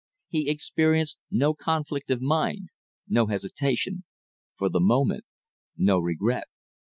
He experienced no conflict of mind; no hesitation; for the moment, no regret.